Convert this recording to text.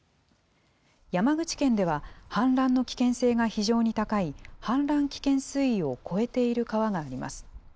山口県では、氾濫の危険性が非常に高い、氾濫危険水位を超えている川があります。